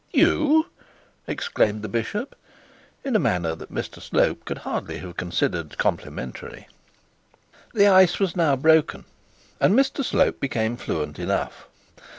'You!' exclaimed the bishop, in a manner that Mr Slope could hardly have considered complimentary. The ice was now broken, and Mr Slope became fluent enough.